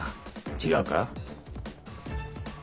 違うか？